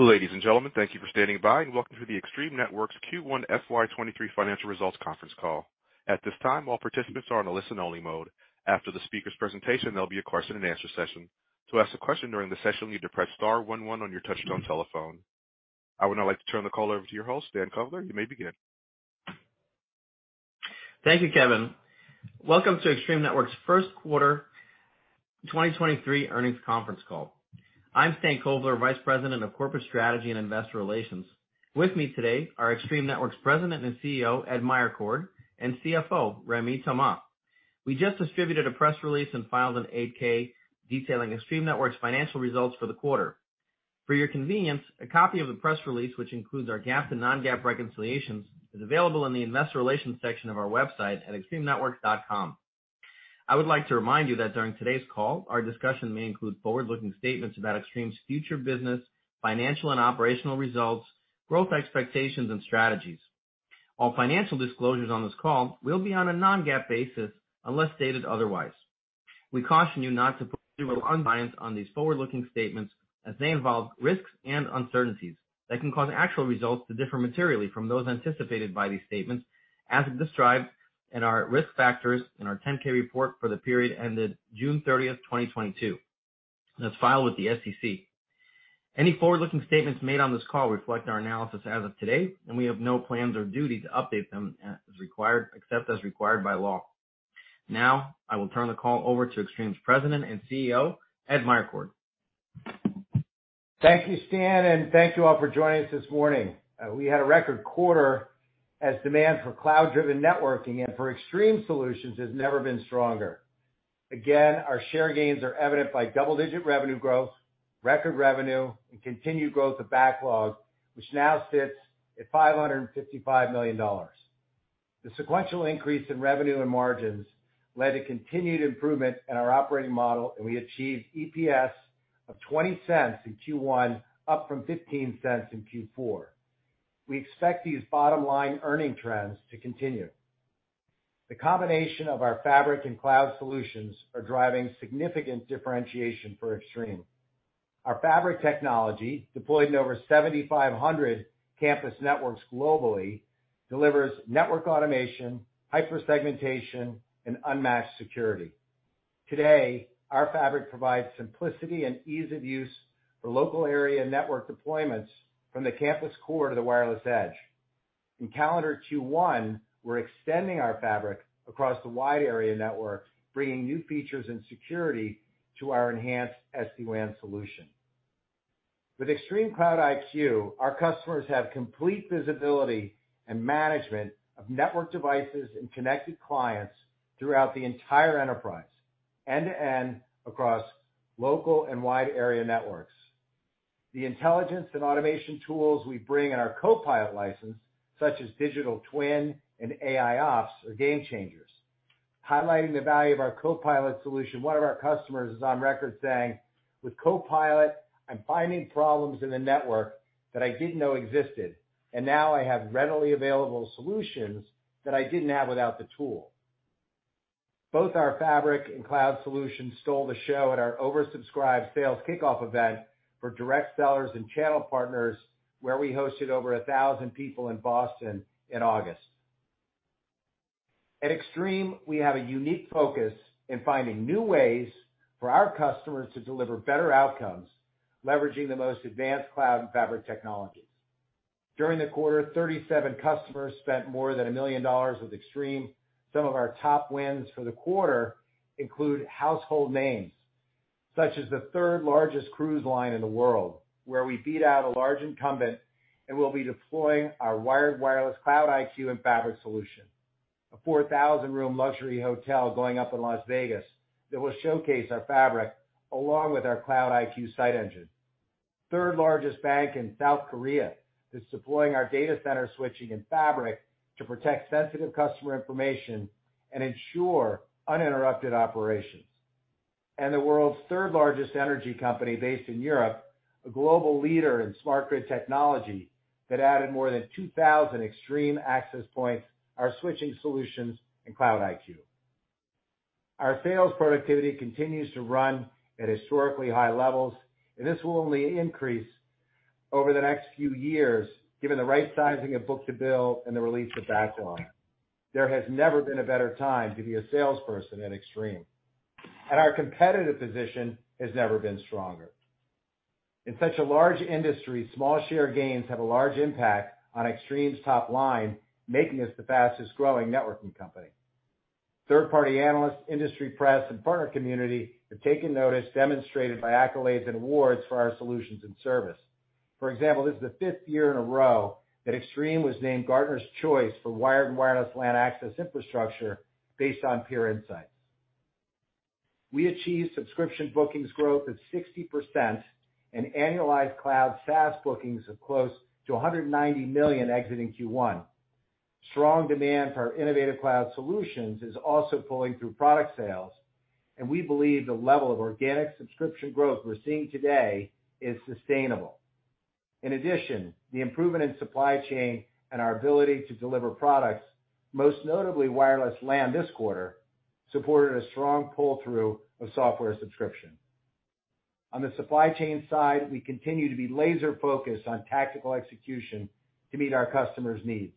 Ladies and gentlemen, thank you for standing by and welcome to the Extreme Networks Q1 FY 2023 Financial Results Conference Call. At this time, all participants are on a listen only mode. After the speaker's presentation, there'll be a question and answer session. To ask a question during the session, you need to press star one one on your touchtone telephone. I would now like to turn the call over to your host, Stan Kovler. You may begin. Thank you, Kevin. Welcome to Extreme Networks' first quarter 2023 earnings conference call. I'm Stan Kovler, Vice President of Corporate Strategy and Investor Relations. With me today are Extreme Networks President and CEO, Ed Meyercord, and CFO, Rémi Thomas. We just distributed a press release and filed an 8-K detailing Extreme Networks' financial results for the quarter. For your convenience, a copy of the press release, which includes our GAAP and non-GAAP reconciliations, is available in the investor relations section of our website at extremenetworks.com. I would like to remind you that during today's call, our discussion may include forward-looking statements about Extreme's future business, financial and operational results, growth expectations and strategies. All financial disclosures on this call will be on a non-GAAP basis unless stated otherwise. We caution you not to put zero reliance on these forward-looking statements as they involve risks and uncertainties that can cause actual results to differ materially from those anticipated by these statements, as described in our risk factors in our 10-K report for the period ended June 30th, 2022, as filed with the SEC. Any forward-looking statements made on this call reflect our analysis as of today, and we have no plans or duty to update them as required, except as required by law. Now I will turn the call over to Extreme's President and CEO, Ed Meyercord. Thank you, Stan, and thank you all for joining us this morning. We had a record quarter as demand for cloud-driven networking and for Extreme solutions has never been stronger. Our share gains are evident by double-digit revenue growth, record revenue and continued growth of backlog, which now sits at $555 million. The sequential increase in revenue and margins led to continued improvement in our operating model, and we achieved EPS of $0.20 in Q1, up from $0.15 in Q4. We expect these bottom line earnings trends to continue. The combination of our fabric and cloud solutions are driving significant differentiation for Extreme. Our fabric technology, deployed in over 7,500 campus networks globally, delivers network automation, hyper segmentation, and unmatched security. Today, our fabric provides simplicity and ease of use for local area network deployments from the campus core to the wireless edge. In calendar Q1, we're extending our fabric across the wide area network, bringing new features and security to our enhanced SD-WAN solution. With ExtremeCloud IQ, our customers have complete visibility and management of network devices and connected clients throughout the entire enterprise, end-to-end across local and wide area networks. The intelligence and automation tools we bring in our CoPilot license, such as Digital Twin and AIOps, are game changers. Highlighting the value of our CoPilot solution, one of our customers is on record saying, "With CoPilot, I'm finding problems in the network that I didn't know existed, and now I have readily available solutions that I didn't have without the tool." Both our fabric and cloud solutions stole the show at our oversubscribed sales kickoff event for direct sellers and channel partners, where we hosted over 1,000 people in Boston in August. At Extreme, we have a unique focus in finding new ways for our customers to deliver better outcomes, leveraging the most advanced cloud and fabric technologies. During the quarter, 37 customers spent more than $1 million with Extreme. Some of our top wins for the quarter include household names such as the third-largest cruise line in the world, where we beat out a large incumbent and will be deploying our wired wireless Cloud IQ and Fabric solution. A 4,000-room luxury hotel going up in Las Vegas that will showcase our Fabric along with our Cloud IQ Site Engine. Third-largest bank in South Korea is deploying our data center switching and Fabric to protect sensitive customer information and ensure uninterrupted operations. The world's third-largest energy company based in Europe, a global leader in smart grid technology that added more than 2,000 Extreme access points, our switching solutions and Cloud IQ. Our sales productivity continues to run at historically high levels, and this will only increase over the next few years, given the right sizing of book-to-bill and the release of backlog. There has never been a better time to be a salesperson at Extreme. Our competitive position has never been stronger. In such a large industry, small share gains have a large impact on Extreme's top line, making us the fastest growing networking company. Third-party analysts, industry press and partner community have taken notice, demonstrated by accolades and awards for our solutions and service. For example, this is the fifth year in a row that Extreme was named Gartner's choice for wired and wireless LAN access infrastructure based on Peer Insights. We achieved subscription bookings growth of 60% and annualized cloud SaaS bookings of close to $190 million exiting Q1. Strong demand for our innovative cloud solutions is also pulling through product sales, and we believe the level of organic subscription growth we're seeing today is sustainable. In addition, the improvement in supply chain and our ability to deliver products, most notably wireless LAN this quarter, supported a strong pull-through of software subscription. On the supply chain side, we continue to be laser-focused on tactical execution to meet our customers' needs.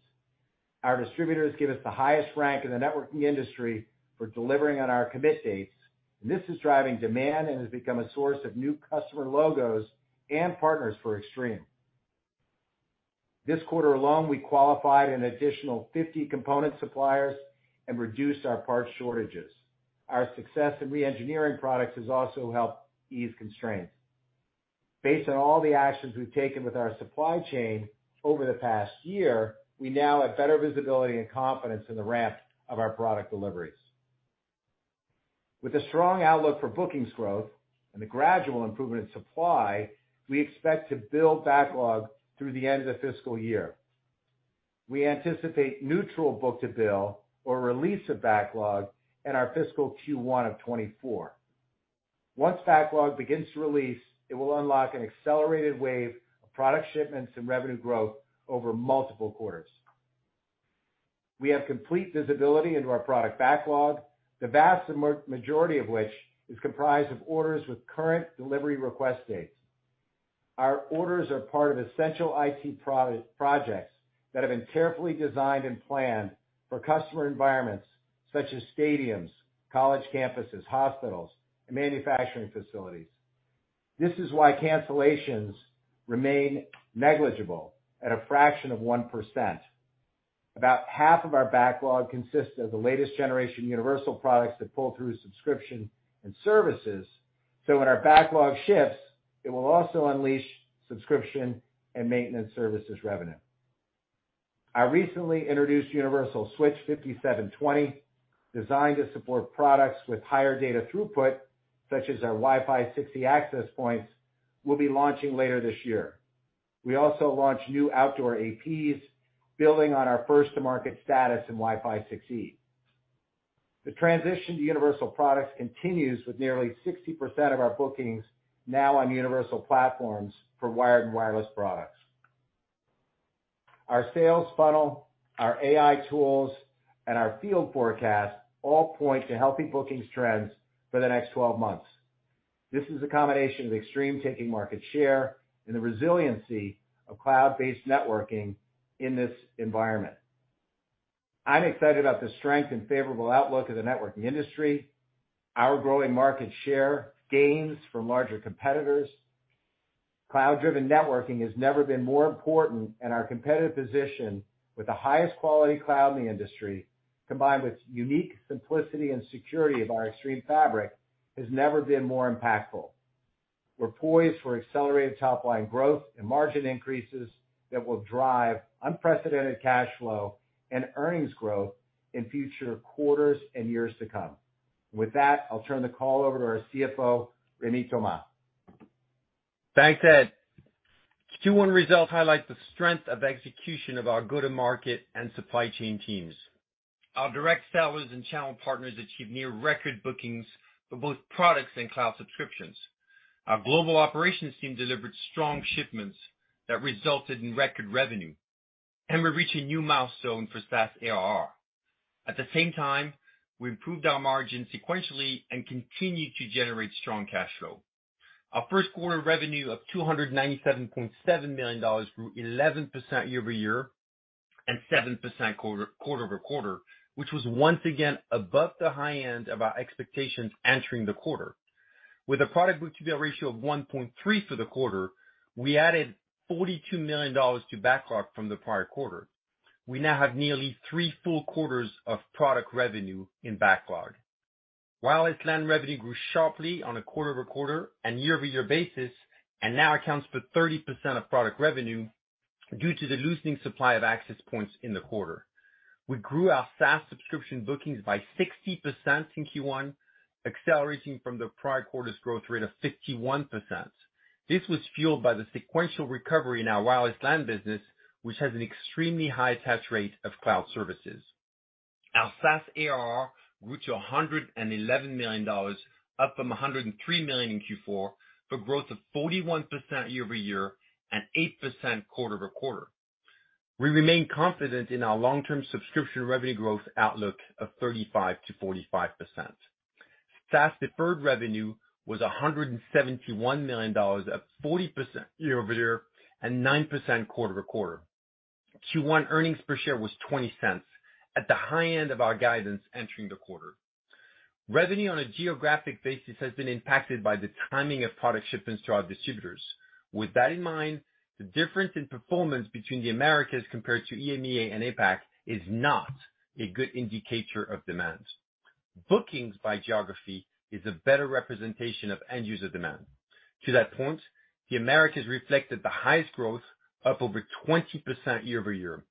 Our distributors give us the highest rank in the networking industry for delivering on our commit dates, and this is driving demand and has become a source of new customer logos and partners for Extreme. This quarter alone, we qualified an additional 50 component suppliers and reduced our parts shortages. Our success in re-engineering products has also helped ease constraints. Based on all the actions we've taken with our supply chain over the past year, we now have better visibility and confidence in the ramp of our product deliveries. With a strong outlook for bookings growth and the gradual improvement in supply, we expect to build backlog through the end of the fiscal year. We anticipate neutral book-to-bill or release of backlog in our fiscal Q1 of 2024. Once backlog begins to release, it will unlock an accelerated wave of product shipments and revenue growth over multiple quarters. We have complete visibility into our product backlog, the vast majority of which is comprised of orders with current delivery request dates. Our orders are part of essential IT projects that have been carefully designed and planned for customer environments such as stadiums, college campuses, hospitals, and manufacturing facilities. This is why cancellations remain negligible at a fraction of 1%. About half of our backlog consists of the latest generation universal products that pull through subscription and services, so when our backlog shifts, it will also unleash subscription and maintenance services revenue. Our recently introduced Universal Switch 5720, designed to support products with higher data throughput, such as our Wi-Fi 6E access points, will be launching later this year. We also launched new outdoor APs, building on our first-to-market status in Wi-Fi 6E. The transition to universal products continues with nearly 60% of our bookings now on Universal Platforms for wired and wireless products. Our sales funnel, our AI tools, and our field forecast all point to healthy bookings trends for the next 12 months. This is a combination of Extreme taking market share and the resiliency of cloud-based networking in this environment. I'm excited about the strength and favorable outlook of the networking industry, our growing market share, gains from larger competitors. Cloud-driven networking has never been more important, and our competitive position with the highest quality cloud in the industry, combined with unique simplicity and security of our Extreme Fabric, has never been more impactful. We're poised for accelerated top-line growth and margin increases that will drive unprecedented cash flow and earnings growth in future quarters and years to come. With that, I'll turn the call over to our CFO, Rémi Thomas. Thanks, Ed. Q1 results highlight the strength of execution of our go-to-market and supply chain teams. Our direct sellers and channel partners achieved near record bookings for both products and cloud subscriptions. Our global operations team delivered strong shipments that resulted in record revenue, and we're reaching a new milestone for SaaS ARR. At the same time, we improved our margin sequentially and continued to generate strong cash flow. Our first quarter revenue of $297.7 million grew 11% year-over-year and 7% quarter-over-quarter, which was once again above the high end of our expectations entering the quarter. With a product book-to-bill ratio of 1.3 for the quarter, we added $42 million to backlog from the prior quarter. We now have nearly three full quarters of product revenue in backlog. Wireless LAN revenue grew sharply on a quarter-over-quarter and year-over-year basis and now accounts for 30% of product revenue due to the loosening supply of access points in the quarter. We grew our SaaS subscription bookings by 60% in Q1, accelerating from the prior quarter's growth rate of 51%. This was fueled by the sequential recovery in our wireless LAN business, which has an extremely high attach rate of cloud services. Our SaaS ARR grew to $111 million, up from $103 million in Q4, for growth of 41% year-over-year and 8% quarter-over-quarter. We remain confident in our long-term subscription revenue growth outlook of 35%-45%. SaaS deferred revenue was $171 million, up 40% year-over-year and 9% quarter-over-quarter. Q1 earnings per share was $0.20 at the high end of our guidance entering the quarter. Revenue on a geographic basis has been impacted by the timing of product shipments to our distributors. With that in mind, the difference in performance between the Americas compared to EMEA and APAC is not a good indicator of demand. Bookings by geography is a better representation of end user demand. To that point, the Americas reflected the highest growth, up over 20% year-over-year.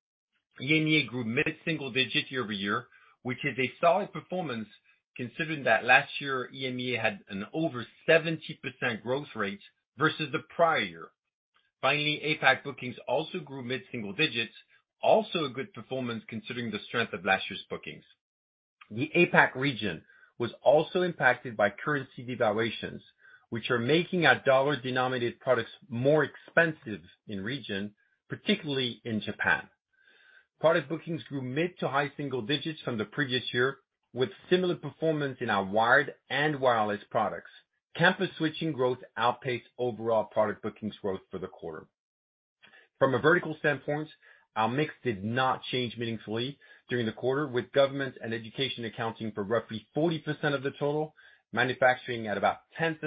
EMEA grew mid-single digit year-over-year, which is a solid performance considering that last year EMEA had an over 70% growth rate versus the prior year. Finally, APAC bookings also grew mid-single digits, also a good performance considering the strength of last year's bookings. The APAC region was also impacted by currency devaluations, which are making our dollar-denominated products more expensive in the region, particularly in Japan. Product bookings grew mid- to high-single digits from the previous year, with similar performance in our wired and wireless products. Campus switching growth outpaced overall product bookings growth for the quarter. From a vertical standpoint, our mix did not change meaningfully during the quarter, with government and education accounting for roughly 40% of the total, manufacturing at about 10%,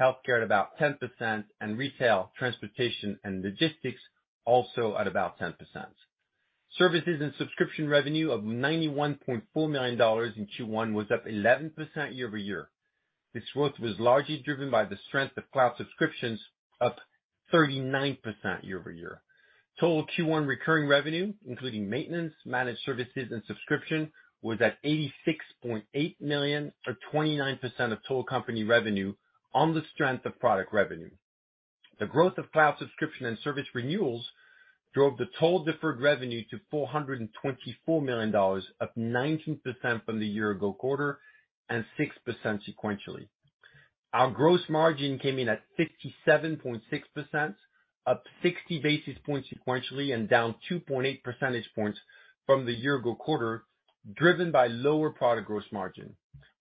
healthcare at about 10%, and retail, transportation, and logistics also at about 10%. Services and subscription revenue of $91.4 million in Q1 was up 11% year-over-year. This growth was largely driven by the strength of cloud subscriptions, up 39% year-over-year. Total Q1 recurring revenue, including maintenance, managed services, and subscription, was at $86.8 million, or 29% of total company revenue on the strength of product revenue. The growth of cloud subscription and service renewals drove the total deferred revenue to $424 million, up 19% from the year-ago quarter and 6% sequentially. Our gross margin came in at 67.6%, up 60 basis points sequentially and down 2.8 percentage points from the year-ago quarter, driven by lower product gross margin.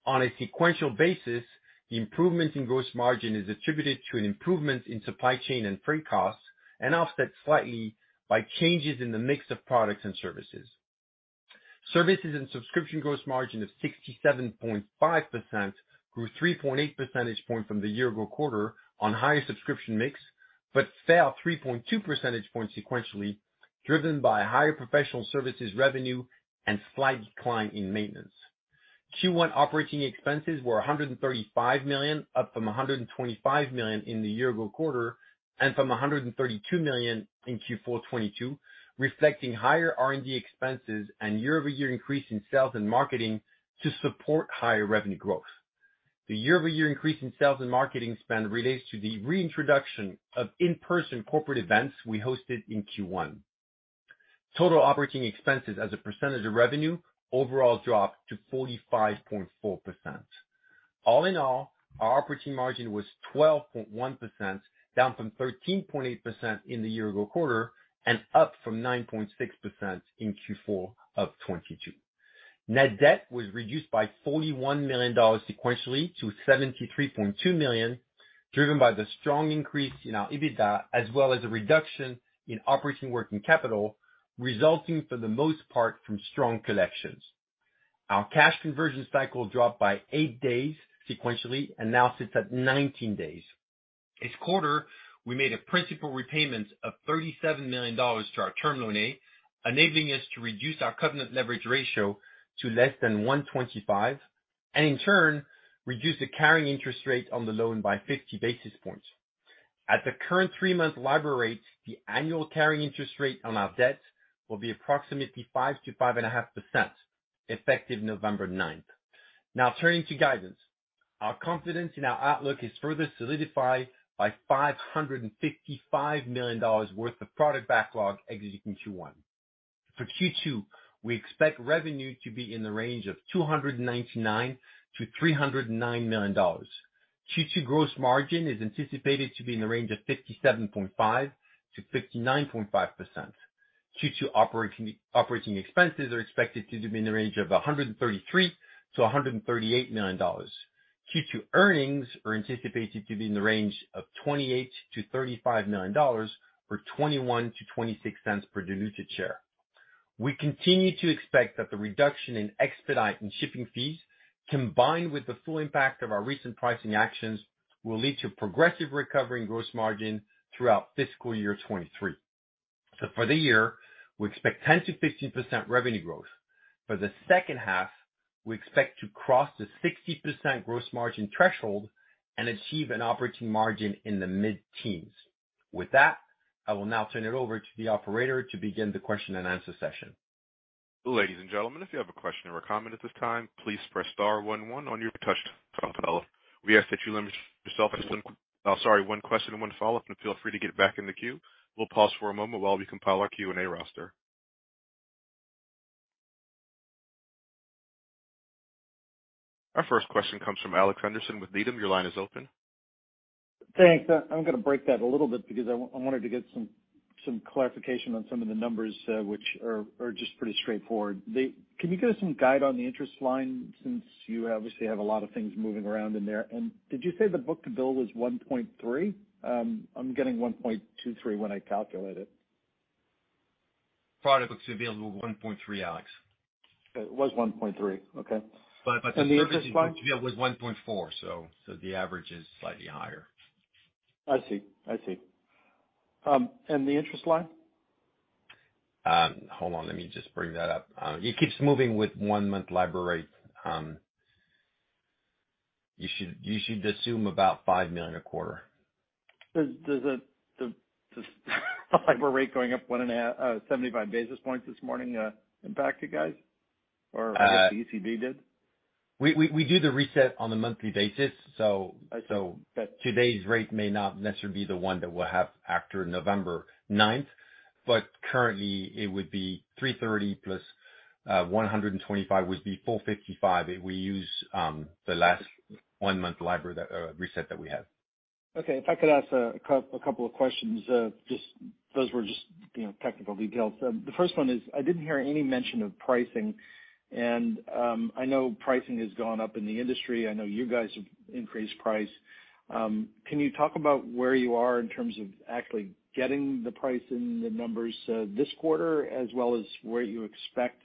On a sequential basis, the improvement in gross margin is attributed to an improvement in supply chain and freight costs and offset slightly by changes in the mix of products and services. Services and subscription gross margin of 67.5% grew 3.8 percentage points from the year-ago quarter on higher subscription mix, but fell 3.2 percentage points sequentially, driven by higher professional services revenue and slight decline in maintenance. Q1 operating expenses were $135 million, up from $125 million in the year-ago quarter, and from $132 million in Q4 2022, reflecting higher R&D expenses and year-over-year increase in sales and marketing to support higher revenue growth. The year-over-year increase in sales and marketing spend relates to the reintroduction of in-person corporate events we hosted in Q1. Total operating expenses as a percentage of revenue overall dropped to 45.4%. All in all, our operating margin was 12.1%, down from 13.8% in the year ago quarter and up from 9.6% in Q4 of 2022. Net debt was reduced by $41 million sequentially to $73.2 million, driven by the strong increase in our EBITDA as well as a reduction in operating working capital, resulting for the most part from strong collections. Our cash conversion cycle dropped by 8 days sequentially and now sits at 19 days. This quarter, we made a principal repayment of $37 million to our term loan A, enabling us to reduce our covenant leverage ratio to less than 1.25 and in turn reduce the carrying interest rate on the loan by 50 basis points. At the current three-month LIBOR rate, the annual carrying interest rate on our debt will be approximately 5-5.5%, effective November 9th. Now turning to guidance. Our confidence in our outlook is further solidified by $555 million worth of product backlog exiting Q1. For Q2, we expect revenue to be in the range of $299 million-$309 million. Q2 gross margin is anticipated to be in the range of 57.5%-59.5%. Q2 operating expenses are expected to be in the range of $133 million-$138 million. Q2 earnings are anticipated to be in the range of $28 million-$35 million or $0.21-$0.26 per diluted share. We continue to expect that the reduction in expedite and shipping fees, combined with the full impact of our recent pricing actions, will lead to progressive recovery in gross margin throughout fiscal year 2023. For the year, we expect 10%-15% revenue growth. For the second half, we expect to cross the 60% gross margin threshold and achieve an operating margin in the mid-teens. With that, I will now turn it over to the operator to begin the question-and-answer session. Ladies and gentlemen, if you have a question or comment at this time, please press star one one on your touch tone phone. We ask that you limit yourself to one question and one follow-up, and feel free to get back in the queue. We'll pause for a moment while we compile our Q&A roster. Our first question comes from Alex Henderson with Needham. Your line is open. Thanks. I'm gonna break that a little bit because I wanted to get some clarification on some of the numbers, which are just pretty straightforward. Can you give us some guide on the interest line since you obviously have a lot of things moving around in there? Did you say the book-to-bill was 1.3? I'm getting 1.23 when I calculate it. Product book-to-bill was 1.3, Alex. It was 1.3. Okay. the services book-to-bill. The interest line? Was 1.4, so the average is slightly higher. I see. The interest line? Hold on, let me just bring that up. It keeps moving with one-month LIBOR rate. You should assume about $5 million a quarter. Does the LIBOR rate going up 75 basis points this morning impact you guys, or I guess the ECB did? We do the reset on a monthly basis, so today's rate may not necessarily be the one that we'll have after November 9th. Currently it would be 330+125 would be 455. We use the last one-month LIBOR reset that we have. Okay. If I could ask a couple of questions. Just, those were just, you know, technical details. The first one is I didn't hear any mention of pricing, and I know pricing has gone up in the industry. I know you guys have increased price. Can you talk about where you are in terms of actually getting the price in the numbers, this quarter as well as where you expect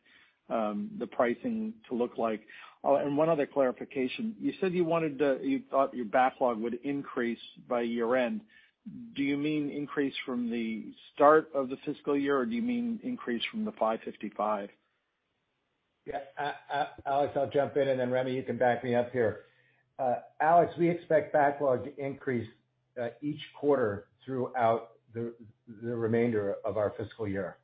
the pricing to look like? Oh, and one other clarification. You said you thought your backlog would increase by year-end. Do you mean increase from the start of the fiscal year, or do you mean increase from the $555? Yeah, Alex, I'll jump in, and then Rémi, you can back me up here. Alex, we expect backlog to increase each quarter throughout the remainder of our fiscal year.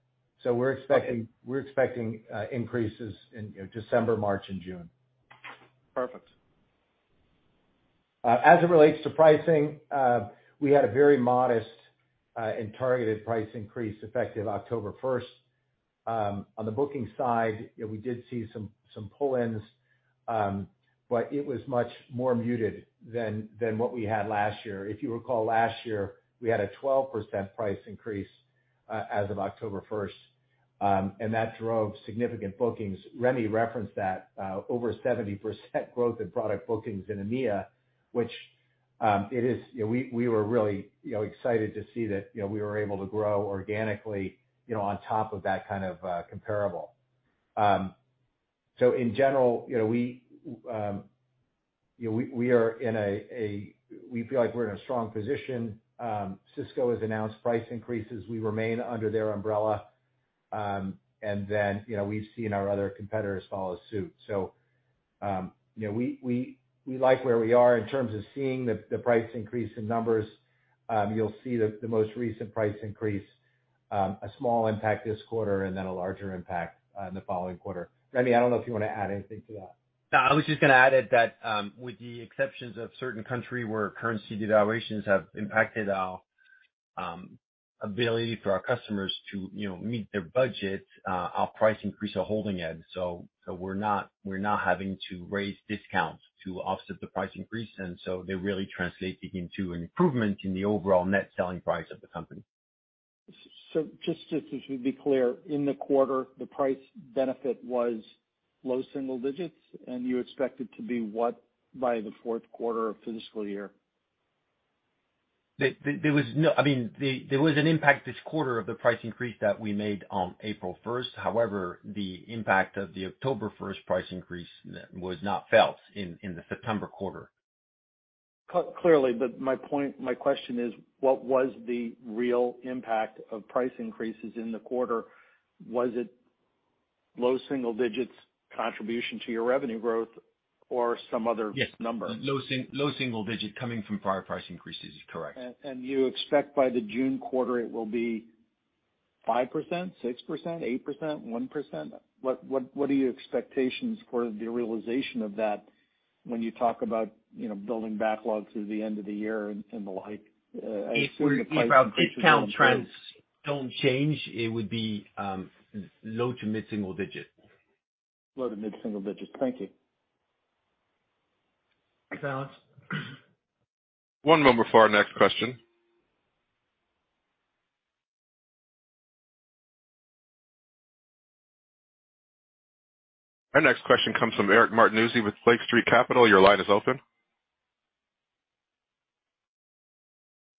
We're expecting. Okay. We're expecting increases in, you know, December, March and June. Perfect. As it relates to pricing, we had a very modest and targeted price increase effective October 1st. On the booking side, you know, we did see some pull-ins, but it was much more muted than what we had last year. If you recall, last year we had a 12% price increase as of October 1st, and that drove significant bookings. Rémi referenced that over 70% growth in product bookings in EMEA. You know, we were really excited to see that, you know, we were able to grow organically, you know, on top of that kind of comparable. So in general, you know, we are in a strong position. Cisco has announced price increases. We remain under their umbrella. You know, we've seen our other competitors follow suit. You know, we like where we are. In terms of seeing the price increase in numbers, you'll see the most recent price increase, a small impact this quarter and then a larger impact in the following quarter. Rémi, I don't know if you wanna add anything to that. No, I was just gonna add that, with the exceptions of certain country where currency devaluations have impacted our ability for our customers to, you know, meet their budget, our price increase are holding it. So we're not having to raise discounts to offset the price increase, and so they're really translating into an improvement in the overall net selling price of the company. Just to be clear, in the quarter, the price benefit was low single digits, and you expect it to be what by the fourth quarter of fiscal year? I mean, there was an impact this quarter of the price increase that we made on April 1st. However, the impact of the October 1st price increase was not felt in the September quarter. Clearly, my point, my question is what was the real impact of price increases in the quarter? Was it low single digits contribution to your revenue growth or some other? Yes. -number? Low single-digit coming from prior price increases is correct. You expect by the June quarter it will be 5%, 6%, 8%, 1%? What are your expectations for the realization of that when you talk about, you know, building backlog through the end of the year and the like? I assume the price increase- If our discount trends don't change, it would be low to mid-single digit. Low to mid-single digit. Thank you. Thanks, Alex. One moment for our next question. Our next question comes from Eric Martinuzzi with Lake Street Capital. Your line is open.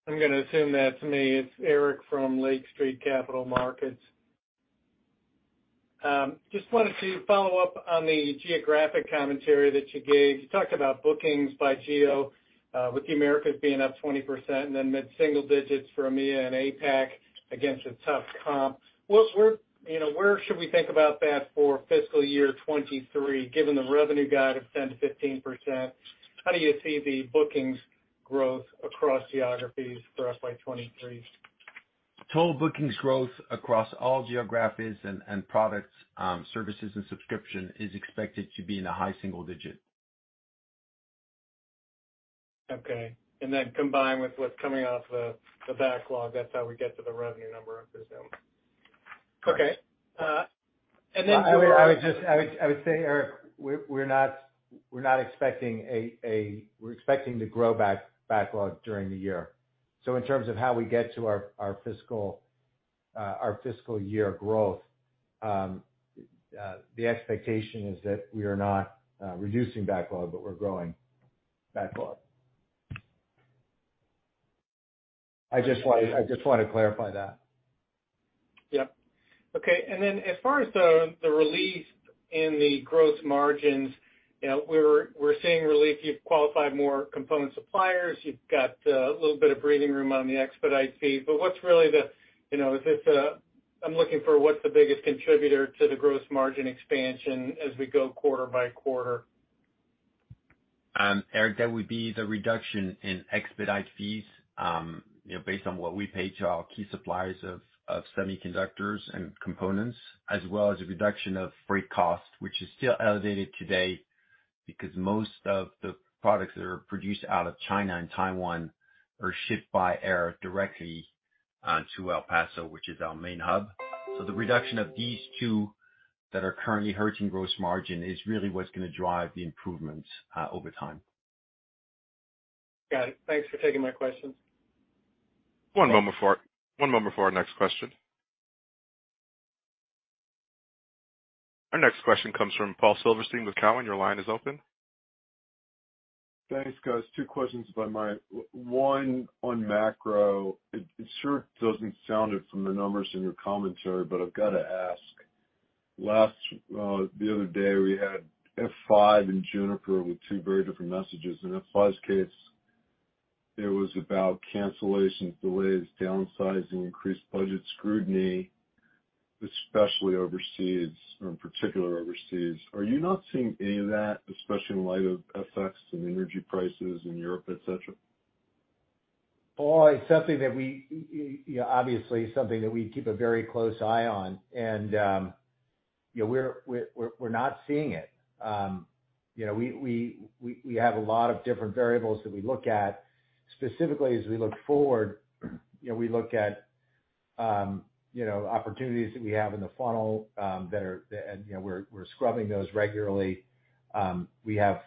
I'm gonna assume that's me. It's Eric from Lake Street Capital Markets. Just wanted to follow up on the geographic commentary that you gave. You talked about bookings by geo, with the Americas being up 20% and then mid-single digits for EMEA and APAC against a tough comp. You know, where should we think about that for fiscal year 2023, given the revenue guide of 10%-15%? How do you see the bookings growth across geographies for FY 2023? Total bookings growth across all geographies and products, services and subscription is expected to be in the high single digit. Okay. Combined with what's coming off the backlog, that's how we get to the revenue number, I presume. I would just say, Eric, we're not expecting, we're expecting to grow backlog during the year. In terms of how we get to our fiscal year growth, the expectation is that we are not reducing backlog, but we're growing backlog. I just wanna clarify that. Yeah. Okay. As far as the relief in the gross margins, you know, we're seeing relief. You've qualified more component suppliers. You've got a little bit of breathing room on the expedite fee. You know, I'm looking for what's the biggest contributor to the gross margin expansion as we go quarter by quarter? Eric, that would be the reduction in expedite fees, you know, based on what we pay to our key suppliers of semiconductors and components, as well as a reduction of freight costs, which is still elevated today because most of the products that are produced out of China and Taiwan are shipped by air directly to El Paso, which is our main hub. The reduction of these two that are currently hurting gross margin is really what's gonna drive the improvements over time. Got it. Thanks for taking my questions. One moment for our next question. Our next question comes from Paul Silverstein with Cowen. Your line is open. Thanks, guys. Two questions. One on macro. It sure doesn't sound it from the numbers in your commentary, but I've gotta ask. Just the other day, we had F5 and Juniper with two very different messages. In F5's case, it was about cancellations, delays, downsizing, increased budget scrutiny, especially overseas, or in particular overseas. Are you not seeing any of that, especially in light of FX and energy prices in Europe, et cetera? Paul, it's something that we, you know, obviously, something that we keep a very close eye on. You know, we're not seeing it. You know, we have a lot of different variables that we look at. Specifically, as we look forward, you know, we look at opportunities that we have in the funnel, you know, we're scrubbing those regularly. We have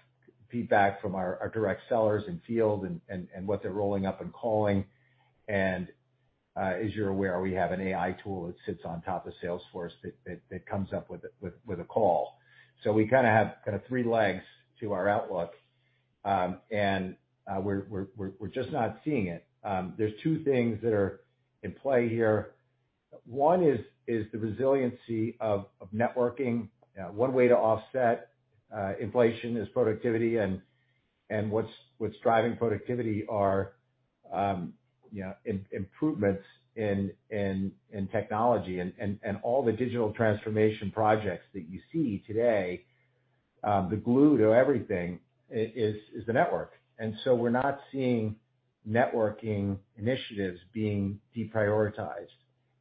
feedback from our direct sellers in field and what they're rolling up and calling. As you're aware, we have an AI tool that sits on top of Salesforce that comes up with a call. We kinda have three legs to our outlook, and we're just not seeing it. There's two things that are in play here. One is the resiliency of networking. One way to offset inflation is productivity and what's driving productivity are improvements in technology and all the digital transformation projects that you see today, the glue to everything is the network. We're not seeing networking initiatives being deprioritized.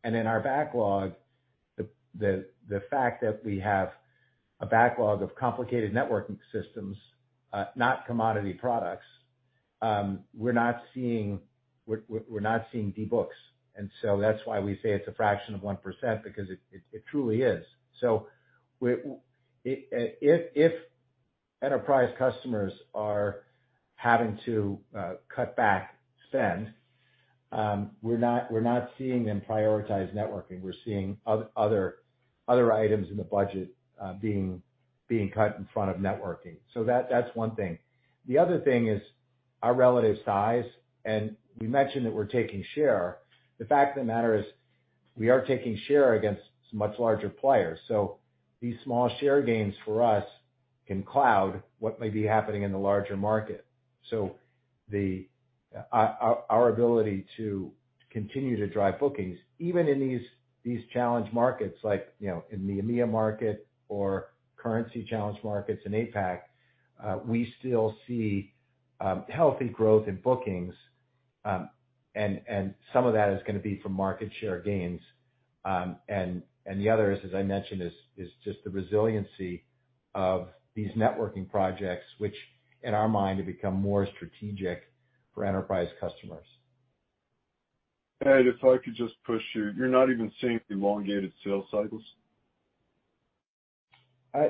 In our backlog, the fact that we have a backlog of complicated networking systems, not commodity products, we're not seeing de-books. That's why we say it's a fraction of 1%, because it truly is. If enterprise customers are having to cut back spend, we're not seeing them prioritize networking. We're seeing other items in the budget being cut in front of networking. That's one thing. The other thing is our relative size, and we mentioned that we're taking share. The fact of the matter is we are taking share against much larger players. These small share gains for us can cloud what may be happening in the larger market. Our ability to continue to drive bookings, even in these challenged markets, like, you know, in the EMEA market or currency-challenged markets in APAC, we still see healthy growth in bookings. And some of that is gonna be from market share gains. And the other is, as I mentioned, just the resiliency of these networking projects, which in our mind have become more strategic for enterprise customers. Ed, if I could just push you. You're not even seeing elongated sales cycles?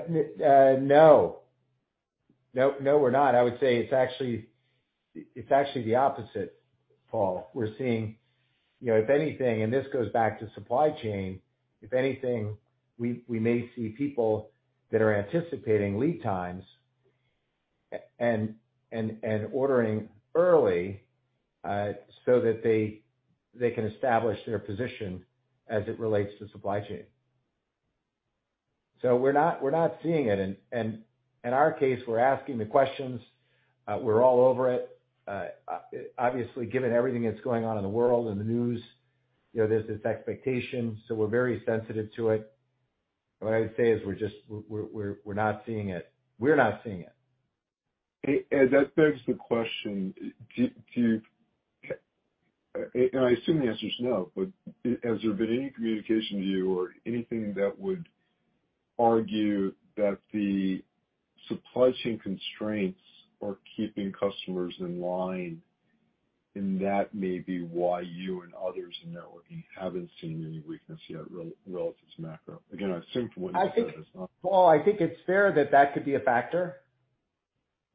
No, we're not. I would say it's actually the opposite, Paul. We're seeing, you know, if anything, and this goes back to supply chain, if anything, we may see people that are anticipating lead times and ordering early, so that they can establish their position as it relates to supply chain. We're not seeing it. In our case, we're asking the questions. We're all over it. Obviously, given everything that's going on in the world, in the news, you know, there's this expectation, so we're very sensitive to it. What I would say is we're just not seeing it. We're not seeing it. Ed, that begs the question, do you, and I assume the answer is no, but has there been any communication to you or anything that would argue that the supply chain constraints are keeping customers in line, and that may be why you and others in networking haven't seen any weakness yet relative to macro? Again, I assume from what you said it's not. Paul, I think it's fair that could be a factor.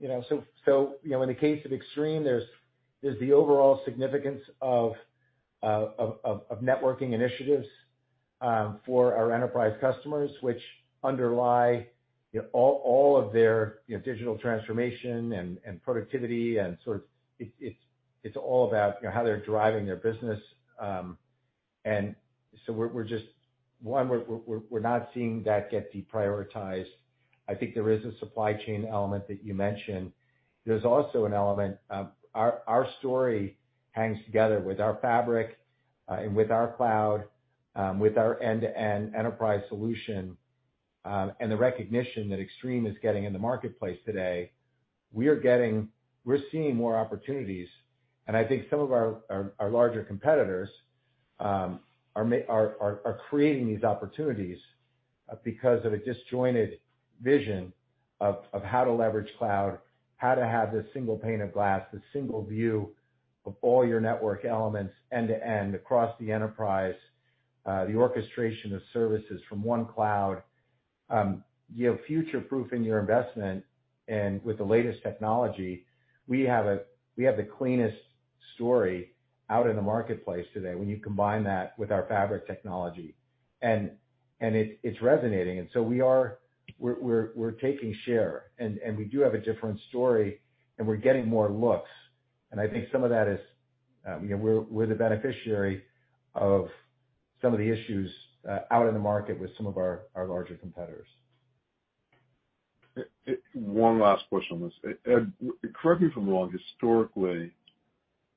You know, in the case of Extreme, there's the overall significance of networking initiatives for our enterprise customers, which underlie you know, all of their you know, digital transformation and productivity and sort of it's all about you know, how they're driving their business. We're not seeing that get deprioritized. I think there is a supply chain element that you mentioned. There's also an element. Our story hangs together with our Fabric and with our cloud, with our end-to-end enterprise solution, and the recognition that Extreme is getting in the marketplace today. We're seeing more opportunities. I think some of our larger competitors are creating these opportunities because of a disjointed vision of how to leverage cloud, how to have this single pane of glass, this single view of all your network elements end-to-end across the enterprise, the orchestration of services from one cloud. You know, future-proofing your investment and with the latest technology, we have the cleanest story out in the marketplace today when you combine that with our fabric technology. It's resonating, so we're taking share. We do have a different story, and we're getting more looks. I think some of that is, you know, we're the beneficiary of some of the issues out in the market with some of our larger competitors. One last question on this. Ed, correct me if I'm wrong. Historically,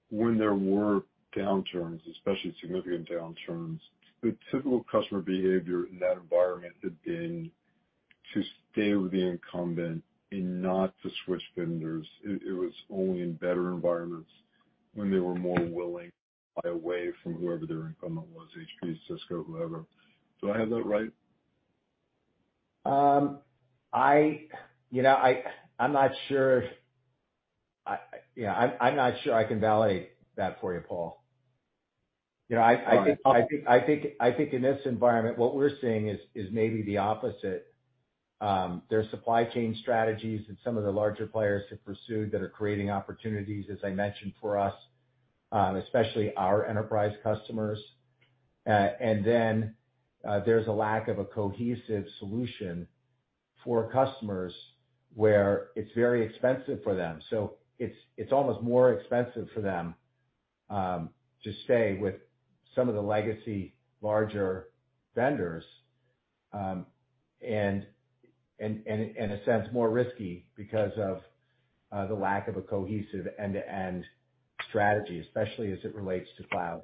when there were downturns, especially significant downturns, the typical customer behavior in that environment had been to stay with the incumbent and not to switch vendors. It was only in better environments when they were more willing to buy away from whoever their incumbent was, HP, Cisco, whoever. Do I have that right? You know, I'm not sure I can validate that for you, Paul. You know, I think. All right. I think in this environment, what we're seeing is maybe the opposite. There are supply chain strategies that some of the larger players have pursued that are creating opportunities, as I mentioned, for us, especially our enterprise customers. And then, there's a lack of a cohesive solution for customers where it's very expensive for them. It's almost more expensive for them to stay with some of the legacy larger vendors. And in a sense, more risky because of the lack of a cohesive end-to-end strategy, especially as it relates to cloud.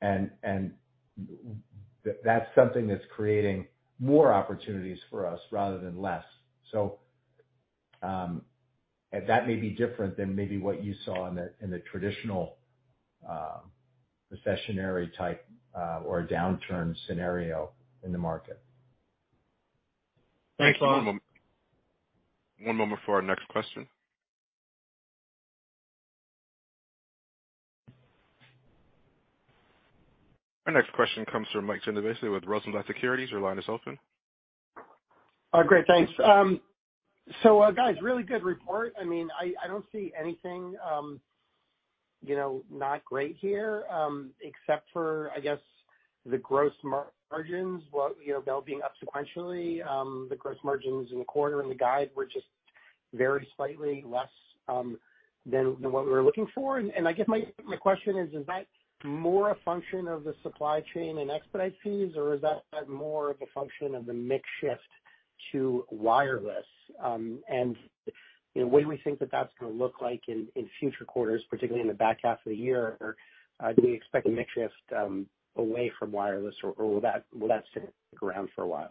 And that's something that's creating more opportunities for us rather than less. And that may be different than maybe what you saw in the traditional recessionary type or downturn scenario in the market. Thanks, Paul. One moment. One moment for our next question. Our next question comes from Mike Genovese with Rosenblatt Securities. Your line is open. Great, thanks. Guys, really good report. I don't see anything, you know, not great here, except for, I guess, the gross margins, what, you know, them being up sequentially. The gross margins in the quarter and the guide were just very slightly less than what we were looking for. I guess my question is that more a function of the supply chain and expedite fees, or is that more a function of the mix shift to wireless? You know, what do we think that that's gonna look like in future quarters, particularly in the back half of the year? Do you expect a mix shift away from wireless or will that stick around for a while?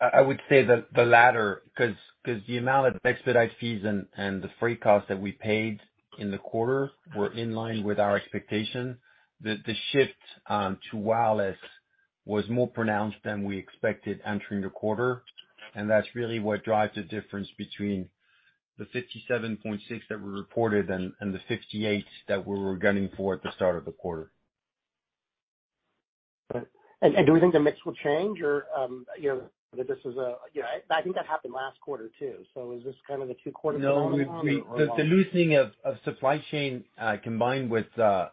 I would say the latter 'cause the amount of expedite fees and the freight costs that we paid in the quarter were in line with our expectation. The shift to wireless was more pronounced than we expected entering the quarter, and that's really what drives the difference between the $57.6 that we reported and the $58 that we were gunning for at the start of the quarter. Right. Do we think the mix will change or, you know, that this is a, you know, I think that happened last quarter too, so is this kind of a two-quarter phenomenon or? No, we. The loosening of supply chain combined with the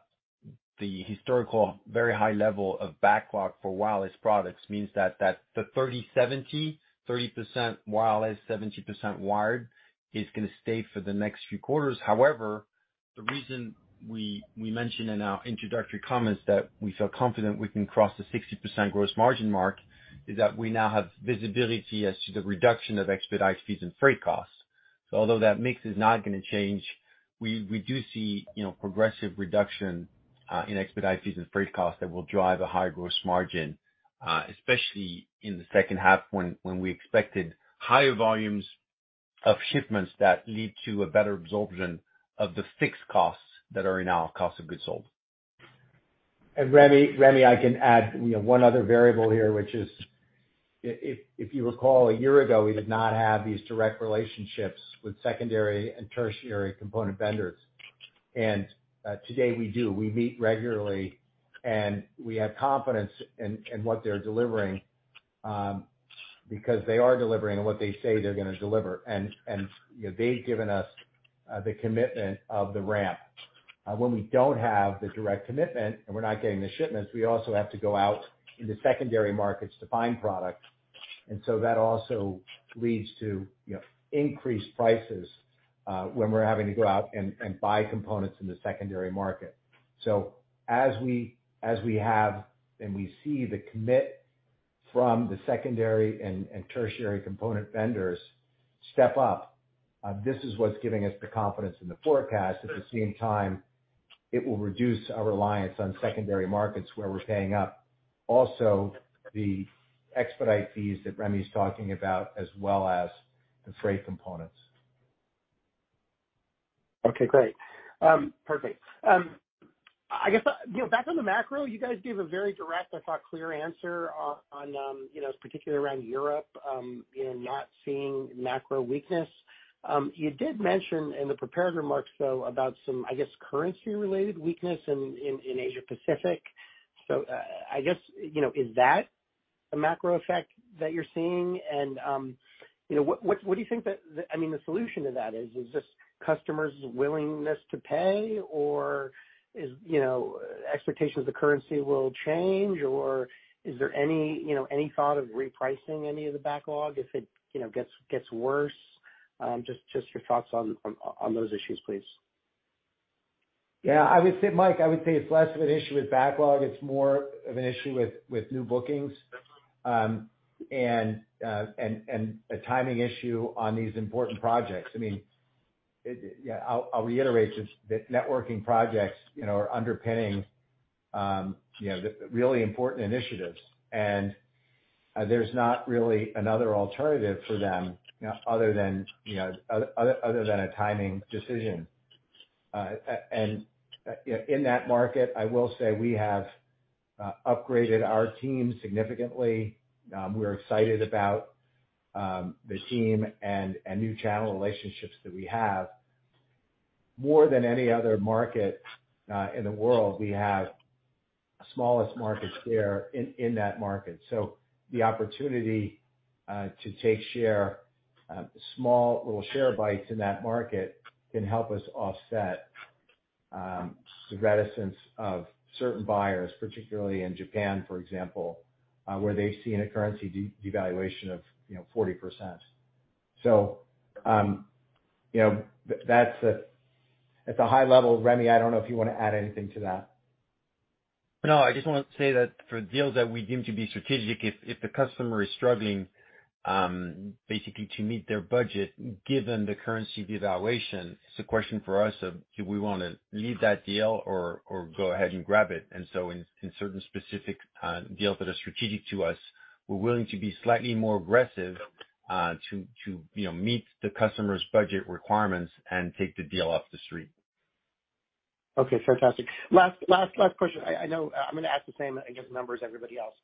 historical very high level of backlog for wireless products means that the 30/70, 30% wireless, 70% wired, is gonna stay for the next few quarters. However, the reason we mentioned in our introductory comments that we feel confident we can cross the 60% gross margin mark is that we now have visibility as to the reduction of expedite fees and freight costs. Although that mix is not gonna change, we do see, you know, progressive reduction in expedite fees and freight costs that will drive a higher gross margin, especially in the second half when we expected higher volumes of shipments that lead to a better absorption of the fixed costs that are in our cost of goods sold. Rémi, I can add, you know, one other variable here, which is if you recall, a year ago, we did not have these direct relationships with secondary and tertiary component vendors. Today we do. We meet regularly, and we have confidence in what they're delivering, because they are delivering on what they say they're gonna deliver. You know, they've given us the commitment of the ramp. When we don't have the direct commitment and we're not getting the shipments, we also have to go out into secondary markets to find product. That also leads to, you know, increased prices when we're having to go out and buy components in the secondary market. As we have and we see the commitment from the secondary and tertiary component vendors step up, this is what's giving us the confidence in the forecast. At the same time, it will reduce our reliance on secondary markets where we're paying up. Also, the expedite fees that Rémi's talking about as well as the freight components. Okay, great. Perfect. I guess, you know, back on the macro, you guys gave a very direct, I thought, clear answer on you know, particularly around Europe, you know, not seeing macro weakness. You did mention in the prepared remarks, though, about some, I guess, currency related weakness in Asia Pacific. I guess, you know, is that a macro effect that you're seeing? You know, what do you think that, I mean, the solution to that is? Is this customers' willingness to pay or is, you know, expectation that the currency will change or is there any, you know, any thought of repricing any of the backlog if it, you know, gets worse? Just your thoughts on those issues, please. Yeah, I would say, Mike, I would say it's less of an issue with backlog. It's more of an issue with new bookings and a timing issue on these important projects. I mean, yeah, I'll reiterate this, that networking projects, you know, are underpinning the really important initiatives. There's not really another alternative for them other than a timing decision. You know, in that market, I will say we have upgraded our team significantly. We're excited about the team and new channel relationships that we have. More than any other market in the world, we have smallest market share in that market. The opportunity to take share small little share bites in that market can help us offset the reticence of certain buyers, particularly in Japan, for example, where they've seen a currency devaluation of, you know, 40%. At the high level, Rémi, I don't know if you wanna add anything to that. No, I just want to say that for deals that we deem to be strategic, if the customer is struggling basically to meet their budget, given the currency devaluation, it's a question for us of do we wanna leave that deal or go ahead and grab it. In certain specific deals that are strategic to us, we're willing to be slightly more aggressive to you know meet the customer's budget requirements and take the deal off the street. Okay, fantastic. Last question. I know I'm gonna ask the same, I guess, numbers everybody else.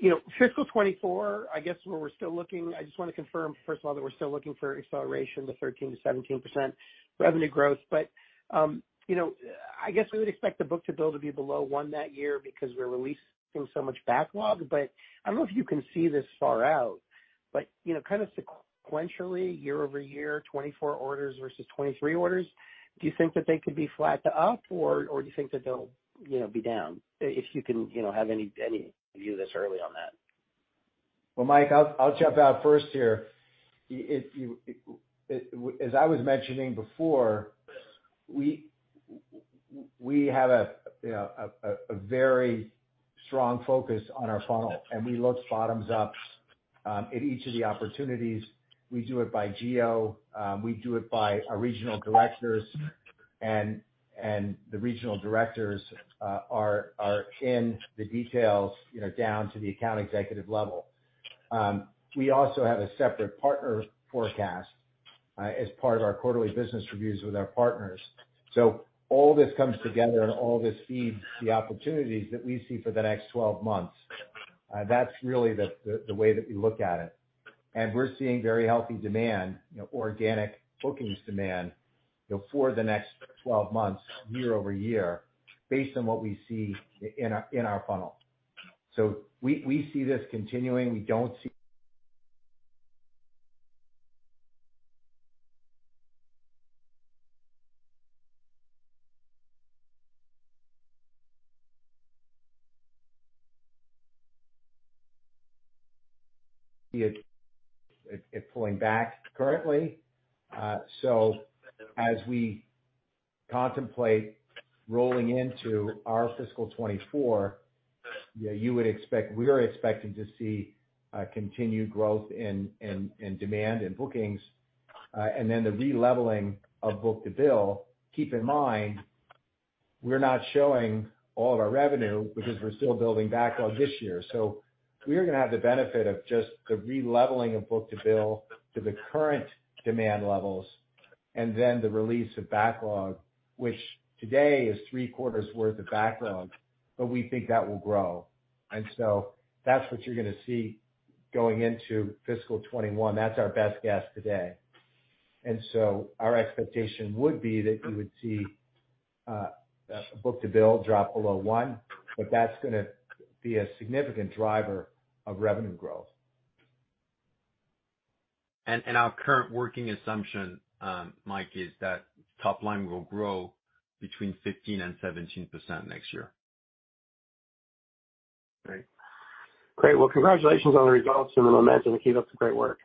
You know, fiscal 2024, I guess where we're still looking, I just wanna confirm, first of all, that we're still looking for acceleration to 13%-17% revenue growth. You know, I guess we would expect the book-to-bill to be below 1 that year because we're releasing so much backlog. I don't know if you can see this far out, but you know, kind of sequentially, year-over-year, 2024 orders versus 2023 orders, do you think that they could be flat to up, or do you think that they'll you know, be down? If you can have any view this early on that. Well, Mike, I'll jump out first here. As I was mentioning before, we have you know, a very strong focus on our funnel, and we look bottoms up at each of the opportunities. We do it by geo. We do it by our regional directors. The regional directors are in the details, you know, down to the account executive level. We also have a separate partner forecast as part of our quarterly business reviews with our partners. All this comes together, and all this feeds the opportunities that we see for the next 12 months. That's really the way that we look at it. We're seeing very healthy demand, organic bookings demand, for the next 12 months year-over-year based on what we see in our funnel. We see this continuing. We don't see it pulling back currently. As we contemplate rolling into our fiscal 2024, you would expect, we are expecting to see continued growth in demand and bookings, and then the releveling of book-to-bill. Keep in mind, we're not showing all of our revenue because we're still building backlog this year. We're gonna have the benefit of just the releveling of book-to-bill to the current demand levels and then the release of backlog, which today is three-quarters worth of backlog, but we think that will grow. That's what you're gonna see going into fiscal 2021. That's our best guess today. Our expectation would be that you would see book-to-bill drop below one, but that's gonna be a significant driver of revenue growth. Our current working assumption, Mike, is that top line will grow between 15% and 17% next year. Great. Well, congratulations on the results, and we'll imagine to keep up the great work.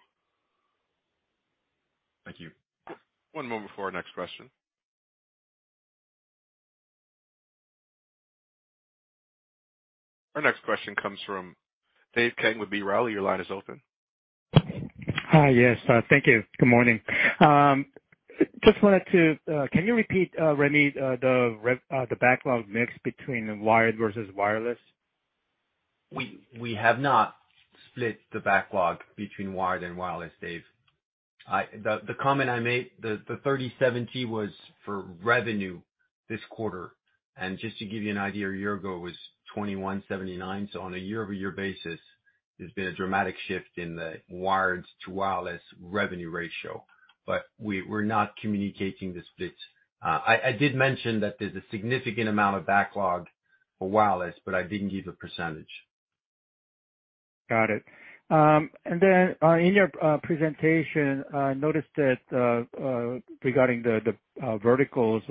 Thank you. One moment before our next question. Our next question comes from Dave Kang with B. Riley. Your line is open. Hi. Yes, thank you. Good morning. Just wanted to. Can you repeat, Rémi, the backlog mix between wired versus wireless? We have not split the backlog between wired and wireless, Dave. The comment I made, the 30/70 was for revenue this quarter. Just to give you an idea, a year ago, it was 21/79. On a year-over-year basis, there's been a dramatic shift in the wired to wireless revenue ratio. We're not communicating the split. I did mention that there's a significant amount of backlog for wireless, but I didn't give a percentage. Got it. In your presentation, I noticed that regarding the verticals,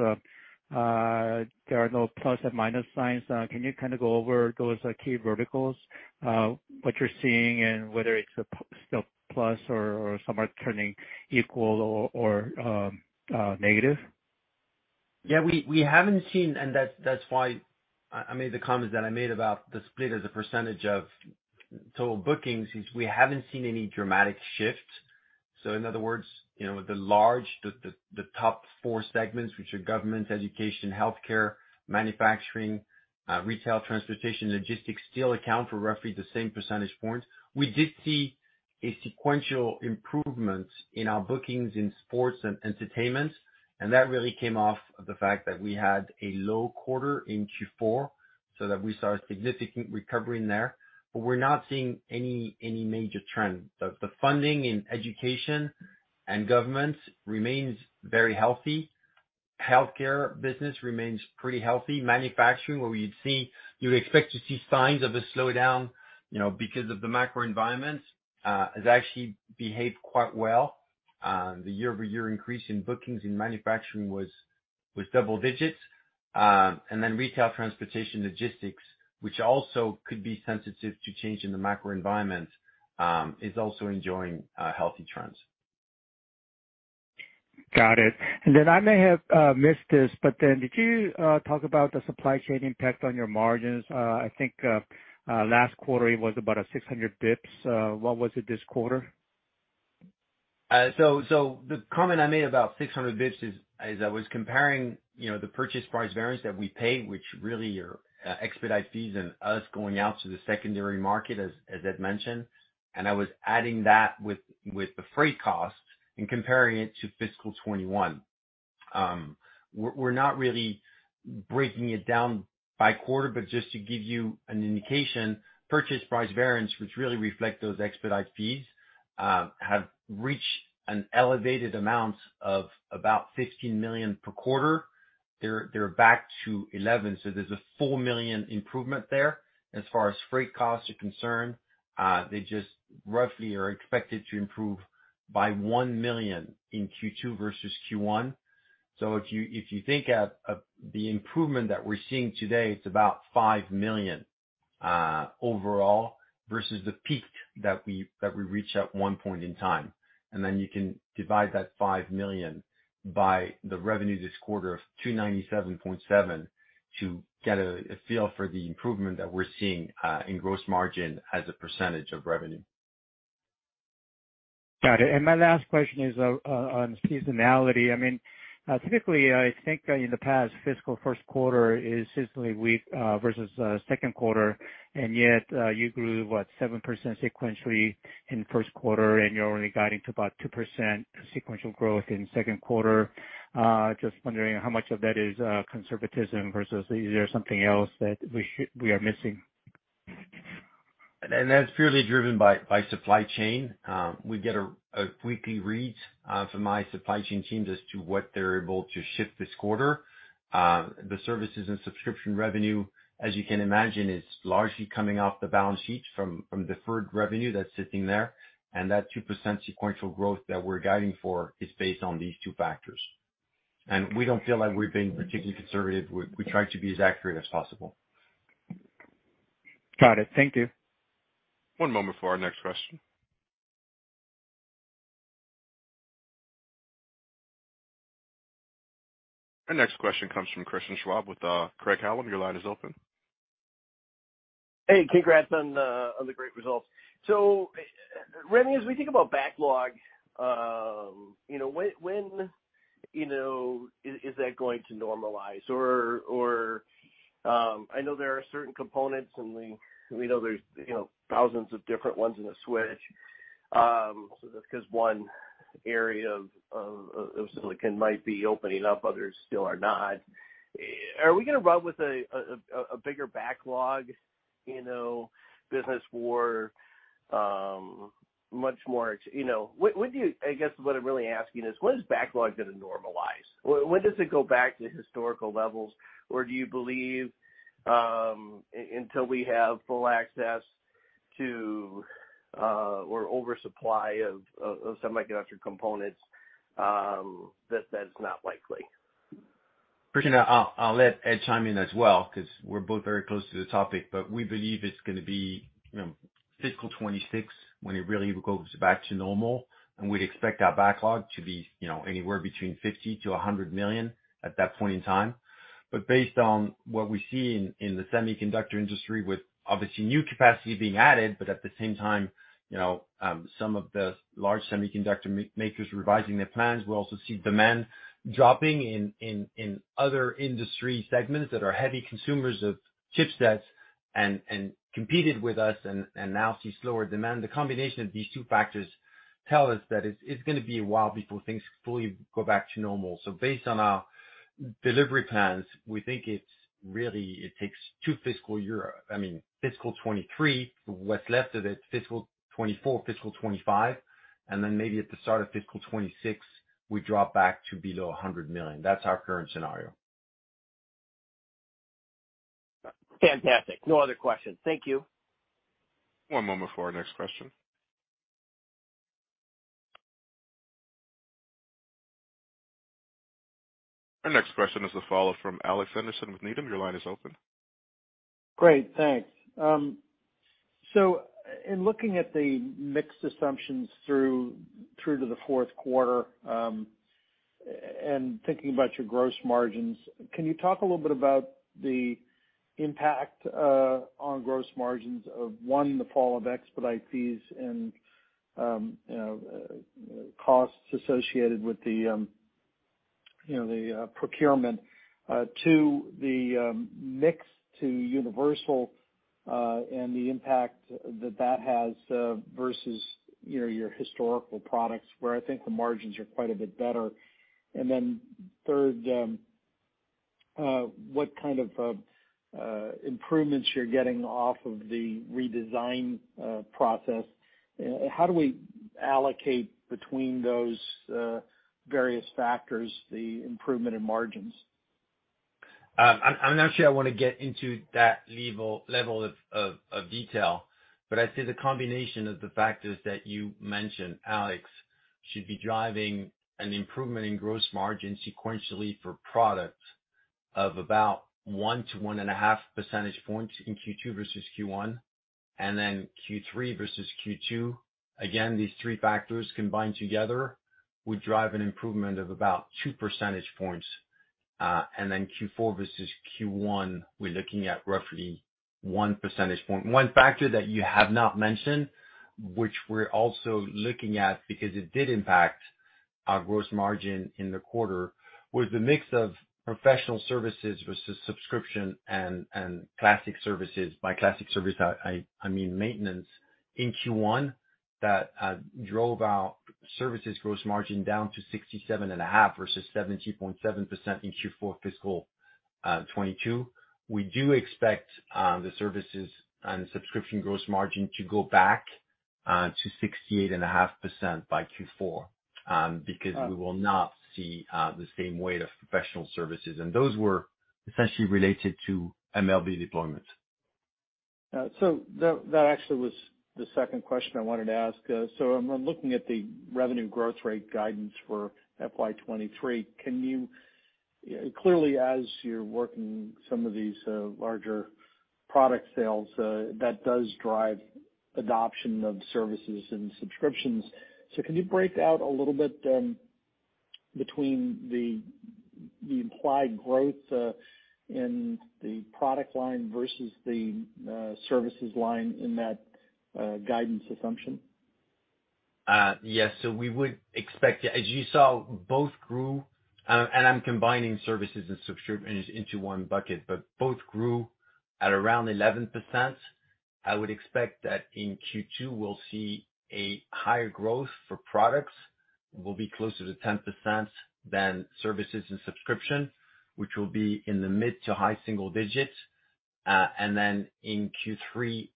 there are no plus and minus signs. Can you kind of go over those key verticals, what you're seeing and whether it's still plus or some are turning equal or negative? Yeah. We haven't seen, and that's why I made the comments that I made about the split as a percentage of total bookings is we haven't seen any dramatic shifts. In other words, you know, the large, the top four segments, which are government, education, healthcare, manufacturing, retail, transportation, logistics, still account for roughly the same percentage points. We did see a sequential improvement in our bookings in sports and entertainment, and that really came off of the fact that we had a low quarter in Q4 so that we saw a significant recovery there. We're not seeing any major trend. The funding in education and government remains very healthy. Healthcare business remains pretty healthy. Manufacturing, where you would expect to see signs of a slowdown, you know, because of the macro environment, has actually behaved quite well. The year-over-year increase in bookings in manufacturing was double digits. Retail, transportation, logistics, which also could be sensitive to change in the macro environment, is also enjoying healthy trends. Got it. I may have missed this, but then did you talk about the supply chain impact on your margins? I think last quarter it was about 600 basis points. What was it this quarter? The comment I made about 600 basis points is I was comparing, you know, the purchase price variance that we pay, which really are expedite fees and us going out to the secondary market, as Ed mentioned. I was adding that with the freight costs and comparing it to fiscal 2021. We're not really breaking it down by quarter, but just to give you an indication, purchase price variance, which really reflect those expedite fees, have reached an elevated amount of about $15 million per quarter. They're back to $11 million, so there's a $4 million improvement there. As far as freight costs are concerned, they just roughly are expected to improve by $1 million in Q2 versus Q1. If you think of the improvement that we're seeing today, it's about $5 million overall versus the peak that we reached at one point in time. Then you can divide that $5 million by the revenue this quarter of $297.7 million to get a feel for the improvement that we're seeing in gross margin as a percentage of revenue. Got it. My last question is on seasonality. I mean, typically, I think, in the past, fiscal first quarter is historically weak versus second quarter, and yet you grew what, 7% sequentially in first quarter, and you're only guiding to about 2% sequential growth in second quarter. Just wondering how much of that is conservatism versus is there something else that we are missing? That's purely driven by supply chain. We get a weekly read from my supply chain team as to what they're able to ship this quarter. The services and subscription revenue, as you can imagine, is largely coming off the balance sheet from deferred revenue that's sitting there. That 2% sequential growth that we're guiding for is based on these two factors. We don't feel like we're being particularly conservative. We try to be as accurate as possible. Got it. Thank you. One moment for our next question. Our next question comes from Christian Schwab with Craig-Hallum. Your line is open. Hey, congrats on the great results. Rémi, as we think about backlog, you know, when is that going to normalize? Or, I know there are certain components and we know there's, you know, thousands of different ones in a switch. So that's 'cause one area of silicon might be opening up, others still are not. Are we gonna run with a bigger backlog, you know, business as usual? I guess what I'm really asking is when is backlog gonna normalize? When does it go back to historical levels? Or do you believe until we have full access to or oversupply of semiconductor components that that's not likely? Christian, I'll let Ed chime in as well 'cause we're both very close to the topic, but we believe it's gonna be, you know, fiscal 2026 when it really goes back to normal, and we'd expect our backlog to be, you know, anywhere between $50-$100 million at that point in time. Based on what we see in the semiconductor industry with obviously new capacity being added, but at the same time, you know, some of the large semiconductor makers revising their plans, we also see demand dropping in other industry segments that are heavy consumers of chipsets and competed with us and now see slower demand. The combination of these two factors tell us that it's gonna be a while before things fully go back to normal. Based on our delivery plans, we think it's really, I mean, fiscal 2023, what's left of it, fiscal 2024, fiscal 2025, and then maybe at the start of fiscal 2026, we drop back to below $100 million. That's our current scenario. Fantastic. No other questions. Thank you. One moment before our next question. Our next question is a follow from Alex Henderson with Needham. Your line is open. Great, thanks. So in looking at the mix assumptions through to the fourth quarter, and thinking about your gross margins, can you talk a little bit about the impact on gross margins of, one, the fall of expedite fees and, you know, costs associated with the procurement, two, the mix to universal, and the impact that has versus, you know, your historical products where I think the margins are quite a bit better. Then third, what kind of improvements you're getting off of the redesign process. How do we allocate between those various factors, the improvement in margins? I'm not sure I wanna get into that level of detail, but I'd say the combination of the factors that you mentioned, Alex, should be driving an improvement in gross margin sequentially for product of about 1-1.5 percentage points in Q2 versus Q1, and then Q3 versus Q2. Again, these three factors combined together would drive an improvement of about 2 percentage points. Q4 versus Q1, we're looking at roughly 1 percentage point. One factor that you have not mentioned, which we're also looking at because it did impact our gross margin in the quarter, was the mix of professional services versus subscription and classic services. By classic service, I mean maintenance. In Q1, that drove our services gross margin down to 67.5% versus 70.7% in Q4 fiscal 2022. We do expect the services and subscription gross margin to go back to 68.5% by Q4, because we will not see the same weight of professional services. Those were essentially related to MLB deployments. That actually was the second question I wanted to ask. I'm looking at the revenue growth rate guidance for FY 2023. Clearly, as you're working some of these larger product sales, that does drive adoption of services and subscriptions. Can you break out a little bit between the implied growth in the product line versus the services line in that guidance assumption? Yes. We would expect. As you saw, both grew, and I'm combining services and subscriptions into one bucket, but both grew at around 11%. I would expect that in Q2, we'll see a higher growth for products will be closer to 10% than services and subscription, which will be in the mid- to high-single digits. In Q3,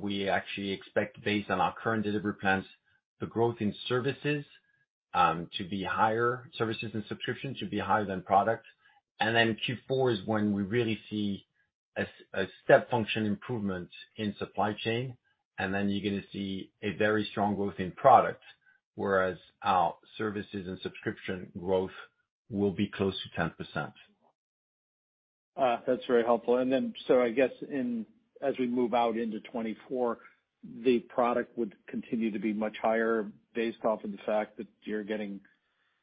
we actually expect based on our current delivery plans, the growth in services to be higher, services and subscriptions to be higher than products. Q4 is when we really see a step function improvement in supply chain. You're gonna see a very strong growth in products, whereas our services and subscription growth will be close to 10%. That's very helpful. I guess as we move out into 2024, the product would continue to be much higher based off of the fact that you're getting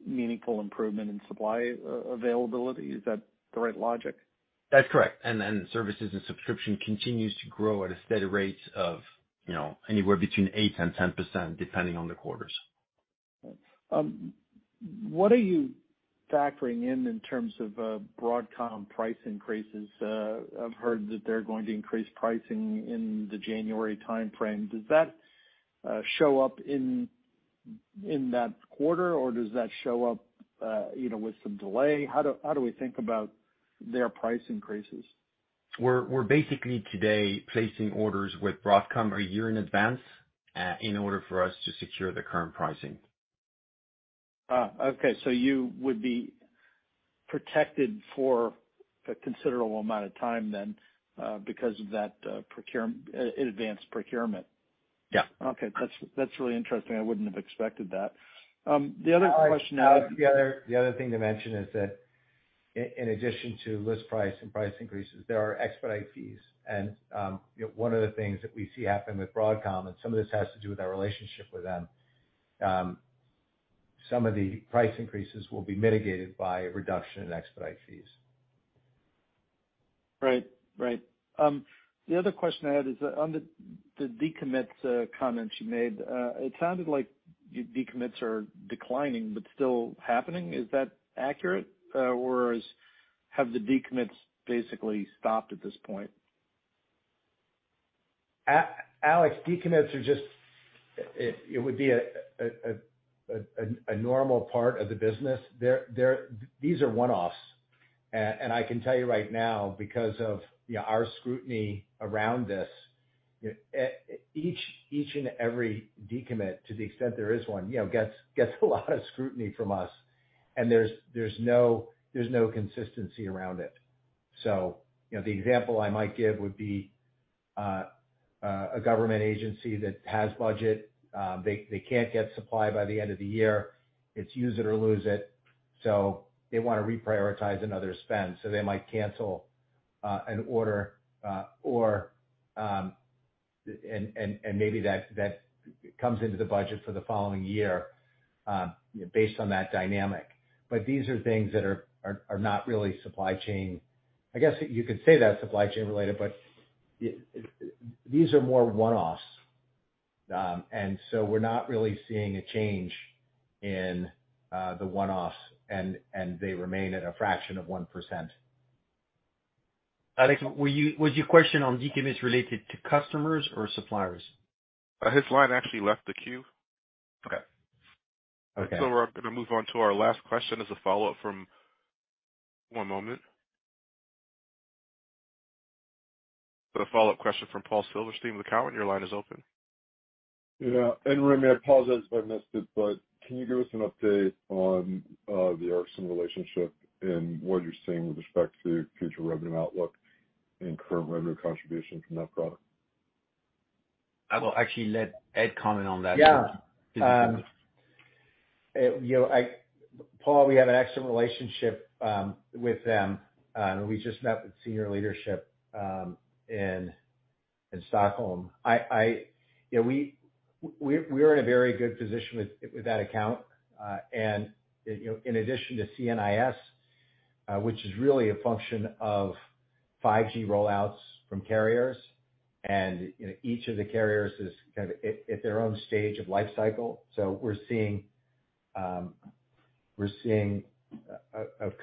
meaningful improvement in supply availability. Is that the right logic? That's correct. Services and subscription continues to grow at a steady rate of, you know, anywhere between 8% and 10%, depending on the quarters. What are you factoring in in terms of Broadcom price increases? I've heard that they're going to increase pricing in the January timeframe. Does that show up in that quarter, or does that show up you know with some delay? How do we think about their price increases? We're basically today placing orders with Broadcom a year in advance, in order for us to secure the current pricing. You would be protected for a considerable amount of time, because of that, AI-advanced procurement. Yeah. Okay. That's really interesting. I wouldn't have expected that. The other question I had- Alex, the other thing to mention is that in addition to list price and price increases, there are expedite fees. You know, one of the things that we see happen with Broadcom, and some of this has to do with our relationship with them, some of the price increases will be mitigated by a reduction in expedite fees. Right. The other question I had is on the decommits comment you made. It sounded like decommits are declining but still happening. Is that accurate? Or have the decommits basically stopped at this point? Alex, decommits are just it would be a normal part of the business. They're these are one-offs. I can tell you right now, because of you know our scrutiny around this, each and every decommit, to the extent there is one, you know gets a lot of scrutiny from us, and there's no consistency around it. You know, the example I might give would be a government agency that has budget they can't get supply by the end of the year. It's use it or lose it, so they wanna reprioritize another spend, so they might cancel an order or and maybe that comes into the budget for the following year based on that dynamic. These are things that are not really supply chain. I guess you could say that's supply chain related, but these are more one-offs. We're not really seeing a change in the one-offs, and they remain at a fraction of 1%. Alex, was your question on decommits related to customers or suppliers? His line actually left the queue. Okay. Okay. We're gonna move on to our last question. One moment. Got a follow-up question from Paul Silverstein with Cowen. Your line is open. Yeah, Rémi, I apologize if I missed it, but can you give us an update on the Ericsson relationship and what you're seeing with respect to future revenue outlook and current revenue contribution from that product? I will actually let Ed comment on that. Yeah. You know, Paul, we have an excellent relationship with them. We just met with senior leadership in Stockholm. You know, we're in a very good position with that account. You know, in addition to CNIS, which is really a function of 5G rollouts from carriers, and you know, each of the carriers is kind of at their own stage of life cycle. So we're seeing a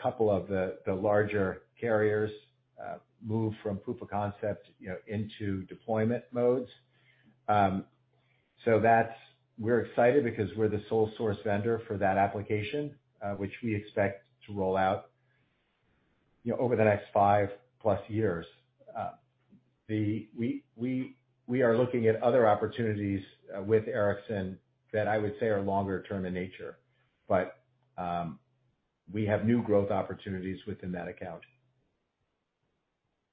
couple of the larger carriers move from proof of concept, you know, into deployment modes. We're excited because we're the sole source vendor for that application, which we expect to roll out, you know, over the next 5+ years. We are looking at other opportunities with Ericsson that I would say are longer term in nature, but we have new growth opportunities within that account.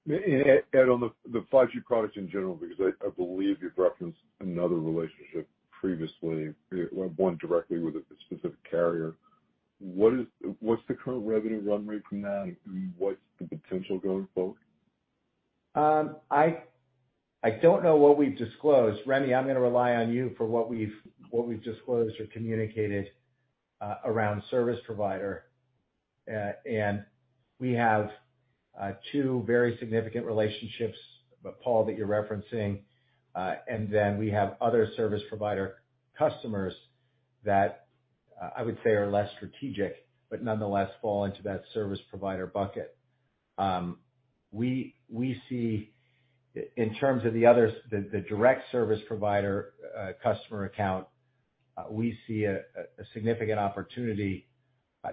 Ed, on the 5G products in general, because I believe you've referenced another relationship previously, one directly with a specific carrier, what's the current revenue run rate from that and what's the potential going forward? I don't know what we've disclosed. Rémi, I'm gonna rely on you for what we've disclosed or communicated around service provider. We have two very significant relationships, Paul, that you're referencing. We have other service provider customers that I would say are less strategic, but nonetheless fall into that service provider bucket. We see in terms of the other direct service provider customer account a significant opportunity,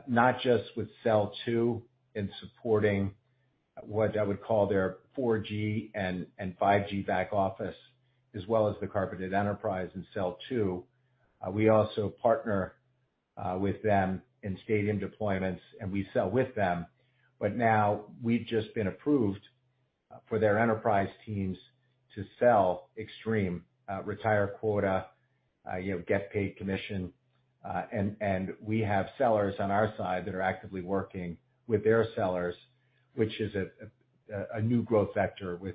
not just with [sell to] in supporting what I would call their 4G and 5G back office as well as the carpeted enterprise in [sell to]. We also partner with them in stadium deployments, and we sell with them. Now we've just been approved for their enterprise teams to sell Extreme, retire quota, you know, get paid commission. We have sellers on our side that are actively working with their sellers, which is a new growth vector with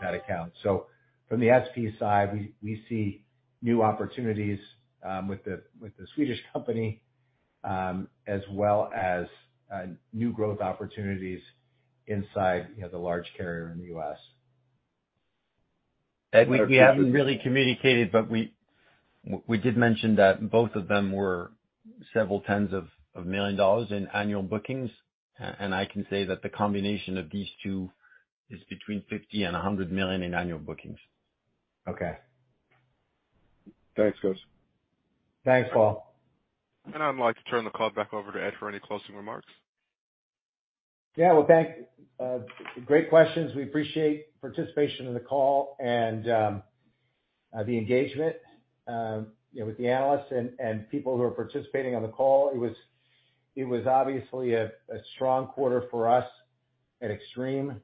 that account. From the SP side, we see new opportunities with the Swedish company as well as new growth opportunities inside, you know, the large carrier in the U.S. Ed, we haven't really communicated, but we did mention that both of them were several tens of millions of dollars in annual bookings. I can say that the combination of these two is between $50 million and $100 million in annual bookings. Okay. Thanks, guys. Thanks, Paul. I'd like to turn the call back over to Ed for any closing remarks. Yeah. Well, thanks. Great questions. We appreciate participation in the call and the engagement with the analysts and people who are participating on the call. It was obviously a strong quarter for us at Extreme.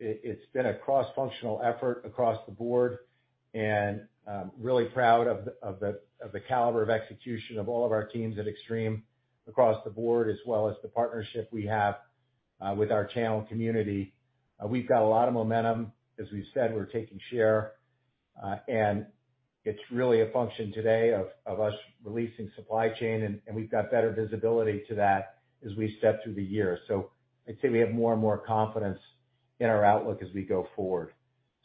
It's been a cross-functional effort across the board, and I'm really proud of the caliber of execution of all of our teams at Extreme across the board, as well as the partnership we have with our channel community. We've got a lot of momentum. As we've said, we're taking share and it's really a function today of us releasing supply chain, and we've got better visibility to that as we step through the year. I'd say we have more and more confidence in our outlook as we go forward.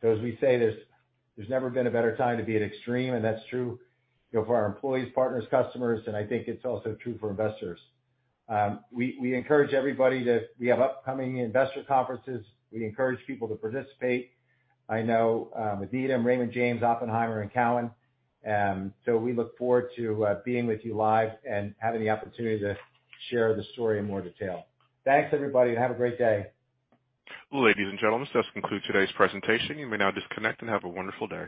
As we say, there's never been a better time to be at Extreme, and that's true, you know, for our employees, partners, customers, and I think it's also true for investors. We encourage everybody that we have upcoming investor conferences. We encourage people to participate. I know Needham, Raymond James, Oppenheimer, and Cowen. We look forward to being with you live and having the opportunity to share the story in more detail. Thanks, everybody, and have a great day. Ladies and gentlemen, this does conclude today's presentation. You may now disconnect and have a wonderful day.